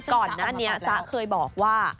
ก่อนหน้านี้จ๊ะเคยบอกว่า